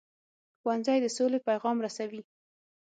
ښوونځی د سولې پیغام رسوي